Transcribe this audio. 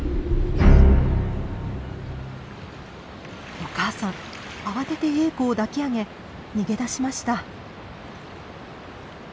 お母さん慌ててエーコを抱き上げ逃げ出しました。